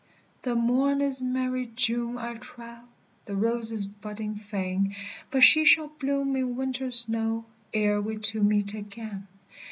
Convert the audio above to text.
"The morn is merry June, I trow The rose is budding fain; But she shall bloom in winter snow Ere we two meet again."